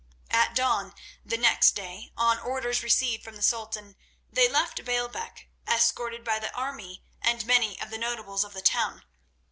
At dawn the next day, on orders received from the Sultan, they left Baalbec, escorted by the army and many of the notables of the town.